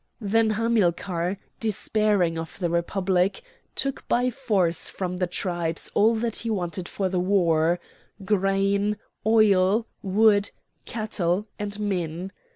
Then Hamilcar, despairing of the Republic, took by force from the tribes all that he wanted for the war—grain, oil, wood, cattle, and men.